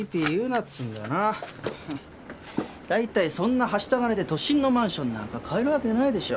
大体そんなはした金で都心のマンションなんか買えるわけないでしょ。